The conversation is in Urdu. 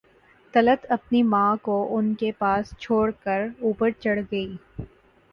طلعت اپنی ماں کو ان کے پاس چھوڑ کر اوپر چڑھ گئی